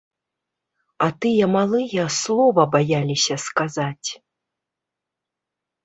А тыя малыя слова баяліся сказаць.